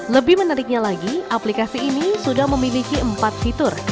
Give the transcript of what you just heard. lebih menariknya lagi aplikasi ini sudah memiliki empat fitur